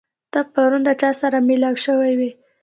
ته پرون د چا سره مېلاو شوی وې؟